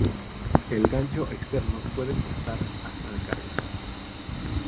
El gancho externo puede portar hasta de carga.